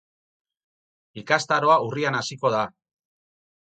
Ikastaroa urrian hasiko da.